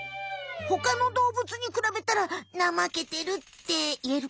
ほかの動物にくらべたらなまけてるっていえるかな。